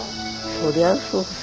そりゃそうさ。